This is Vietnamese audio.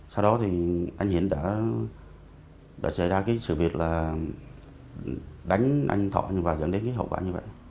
sau đó thì anh hiển đã xảy ra cái sự việc là đánh anh thọ nhưng mà dẫn đến cái hậu quả như vậy